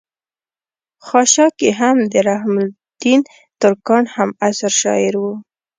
خشاکے هم د رحم الدين ترکاڼ هم عصر شاعر وو